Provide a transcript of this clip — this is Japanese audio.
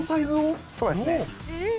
そうですね。